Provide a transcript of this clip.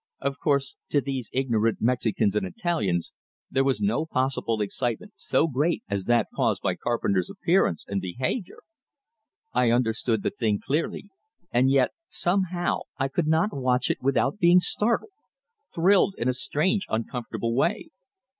Of course, to these ignorant Mexicans and Italians, there was no possible excitement so great as that caused by Carpenter's appearance and behavior. I understood the thing clearly; and yet, somehow, I could not watch it without being startled thrilled in a strange, uncomfortable way.